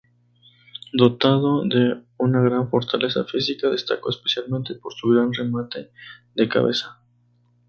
Dotado de una gran fortaleza física, destacó especialmente por su gran remate de cabeza.